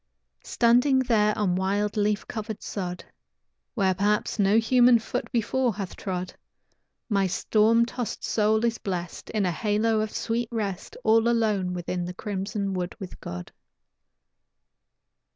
Standing there on wild, leaf covered sod, Where perhaps no human foot before hath trod My storm tossed soul is blest In a halo of sweet rest, All alone within the crimson wood with God.